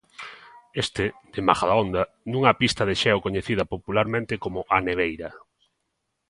Este, de Majadahonda, nunha pista de xeo coñecida popularmente como 'A neveira'.